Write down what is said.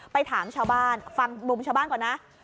ไปถามชาวบ้านฟังมุมชาวบ้านก่อนนะ